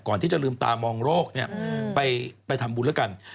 ก่อนที่จะลืมตามองโรคเนี่ยไปทำบุญแล้วกัน